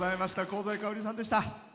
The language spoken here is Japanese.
香西かおりさんでした。